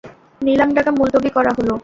নিলাম ডাকা মুলতবি করা হলো।